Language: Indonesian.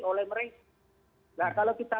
oleh mereka nah kalau kita